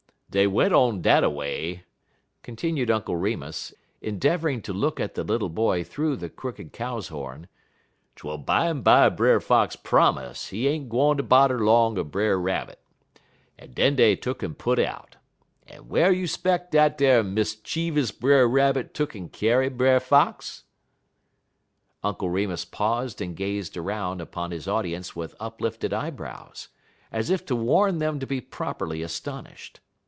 "Dey went on dat a way," continued Uncle Remus, endeavoring to look at the little boy through the crooked cow's horn, "twel bimeby Brer Fox promise he ain't gwine ter bodder 'long er Brer Rabbit, en den dey tuck'n put out. En whar you 'speck dat ar muscheevous Brer Rabbit tuck'n kyar' Brer Fox?" Uncle Remus paused and gazed around upon his audience with uplifted eyebrows, as if to warn them to be properly astonished.